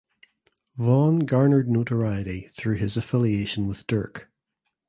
Von garnered notoriety through his affiliation with Durk.